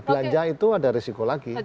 belanja itu ada risiko lagi